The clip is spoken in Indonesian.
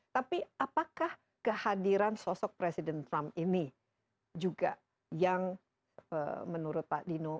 tapi apakah kehadiran sosok presiden trump ini juga yang menurut pak dino